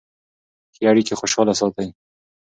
ښې اړیکې خوشحاله ساتي.